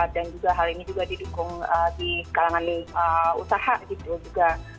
dan juga hal ini juga didukung di kalangan usaha gitu juga